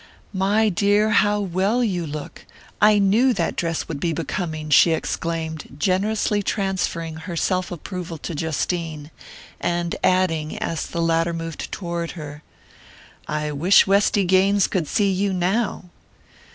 "My dear, how well you look! I knew that dress would be becoming!" she exclaimed, generously transferring her self approval to Justine; and adding, as the latter moved toward her: "I wish Westy Gaines could see you now!"